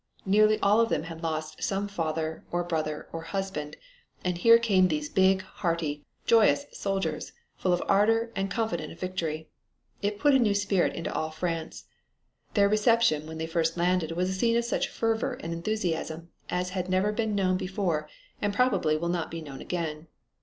Nearly all of them had lost some father, or brother, or husband, and here came these big, hearty, joyous soldiers, full of ardor and confident of victory. It put a new spirit into all France. Their reception when they first landed was a scene of such fervor and enthusiasm as had never been known before and probably will not be known again.